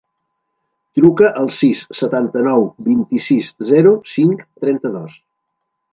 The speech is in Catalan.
Truca al sis, setanta-nou, vint-i-sis, zero, cinc, trenta-dos.